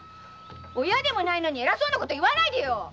親でもないのにえらそうなこと言わないでよ！